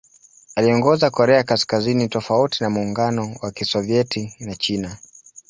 Aliongoza Korea Kaskazini tofauti na Muungano wa Kisovyeti na China.